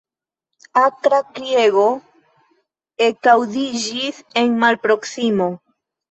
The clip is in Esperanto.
Akra kriego ekaŭdiĝis en malproksimo.